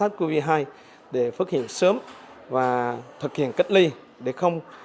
người nhà bệnh nhân và đội ngũ y bác sĩ